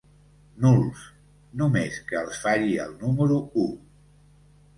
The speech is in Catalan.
Nuls, només que els falli el número u.